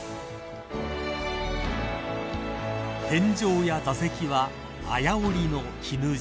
［天井や座席はあや織りの絹地］